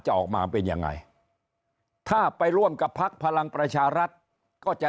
ออกมาเป็นยังไงถ้าไปร่วมกับพักพลังประชารัฐก็จะ